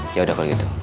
yaudah kalau gitu